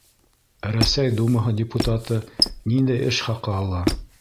Рәсәй думаһы депутаты ниндәй эш хаҡы ала?